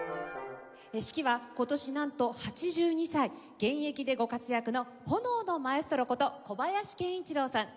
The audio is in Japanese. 指揮は今年なんと８２歳現役でご活躍の炎のマエストロこと小林研一郎さん。